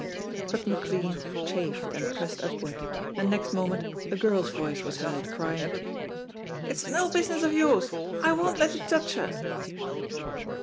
But McLean chafed and pressed upward, and next moment a girl's voice was heard, crying: "It is no business of yours; I won't let you touch her."